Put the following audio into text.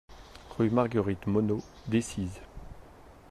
Rue Marguerite Monnot, Decize